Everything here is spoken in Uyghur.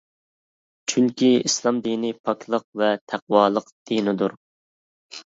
چۈنكى ئىسلام دىنى پاكلىق ۋە تەقۋالىق دىنىدۇر.